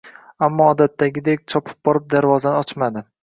ammo odatdagidek chopib borib darvozani ochmadi